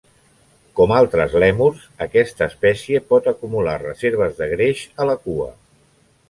Com altres lèmurs, aquesta espècie pot acumular reserves de greix a la cua.